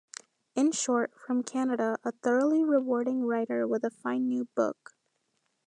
In short, from Canada, a thoroughly rewarding writer with a fine new book.